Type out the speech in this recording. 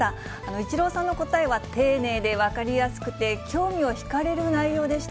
イチローさんの答えは丁寧で分かりやすくて、興味をひかれる内容でした。